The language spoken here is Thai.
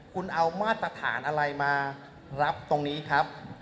คุณเอามาตรฐานอะไรมารับตรงนี้ครับ